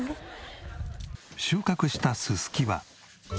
収穫したススキは。